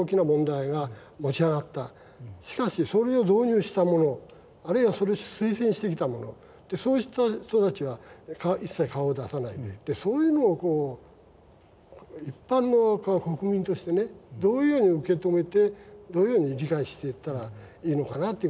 しかしそれを導入した者あるいはそれを推薦してきた者そういう人たちは一切顔を出さないでそういうのを一般の国民としてねどういうふうに受け止めてどういうふうに理解していったらいいのかなということは非常にね